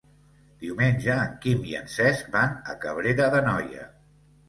Diumenge en Quim i en Cesc van a Cabrera d'Anoia.